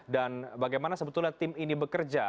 dan bagaimana sebetulnya tim ini bekerja